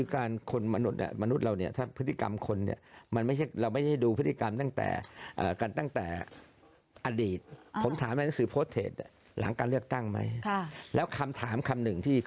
คุณทัศนภอนก็ยังไม่เชื่อ